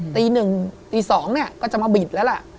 ตี๑ตี๒ก็จะมาบีดละ